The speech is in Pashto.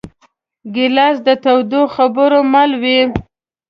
ګیلاس د تودو خبرو مل وي.